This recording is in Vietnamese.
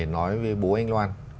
nói với bố anh loan